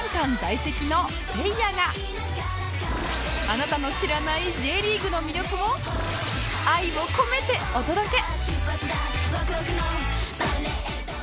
あなたの知らない Ｊ リーグの魅力を愛を込めてお届け！